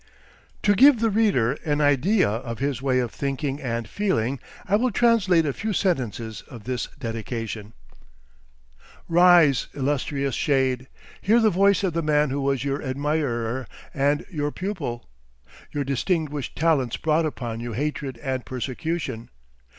To give the reader an idea of his way of thinking and feeling I will translate a few sentences of this dedication: "Rise, illustrious Shade! Hear the voice of the man who was your admirer and your pupil! Your distinguished talents brought upon you hatred and persecution.